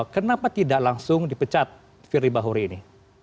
kenapa tidak langsung dipecat firly bahuri ini